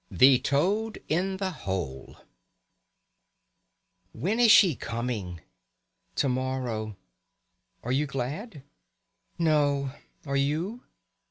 THE TOAD IN THE HOLE "When is she coming?" "To morrow." "Are you glad?" "No. Are you?"